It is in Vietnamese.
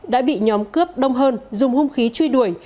đã bị nhóm cướp đông hơn dùng hung khí truy đuổi